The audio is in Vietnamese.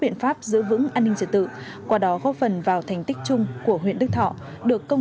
biện pháp giữ vững an ninh trật tự qua đó góp phần vào thành tích chung của huyện đức thọ được công